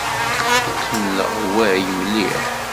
Tettemleɣway mliḥ.